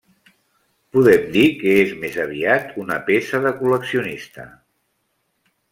Podem dir que és més aviat una peça de col·leccionista.